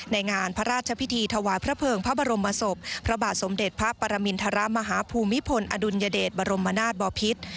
ในงานพระราชพิธีถวายพระเภิงพระบรมศพพระบาทสมเด็จพระปรมินทรมาฮภูมิพลอดุลยเดชบรมนาศบอพิษ